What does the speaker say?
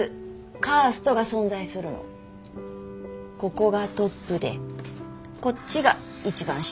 ここがトップでこっちが一番下。